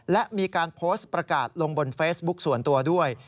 และมีการโพสต์ประกาศลงบนเฟซบุ๊คส่วนตัวด้วย